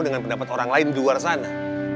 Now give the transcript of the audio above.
dengan pendapat orang lain di luar sana